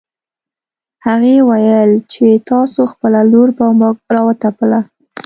هغې ويل چې تاسو خپله لور په موږ راوتپله